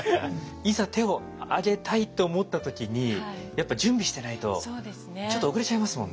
いざ手をあげたいと思った時にやっぱ準備してないとちょっと遅れちゃいますもんね。